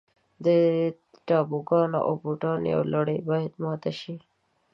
د تابوګانو او بوتانو یوه لړۍ باید ماته شي.